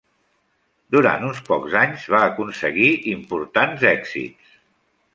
Durant uns pocs anys, va aconseguir importants èxits.